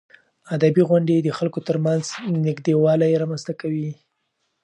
ادبي غونډې د خلکو ترمنځ نږدېوالی رامنځته کوي.